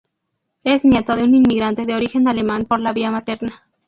Es nieto de un inmigrante de origen alemán por la vía materna.